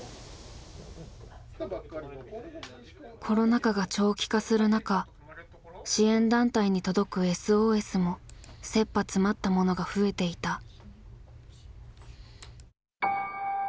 コロナ禍が長期化する中支援団体に届くＳＯＳもせっぱ詰まったものが増えていた。